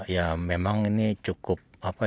ya memang ini cukup